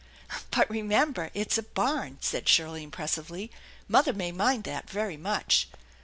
"But remember it's a barn!" said Shirley impressively. " Mother may mind that very much."